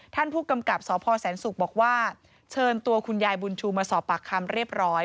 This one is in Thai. ท่านผู้กำกับสพแสนศุกร์บอกว่าเชิญตัวคุณยายบุญชูมาสอบปากคำเรียบร้อย